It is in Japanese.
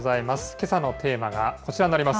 けさのテーマがこちらになります。